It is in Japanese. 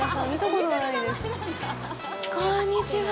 こんにちは。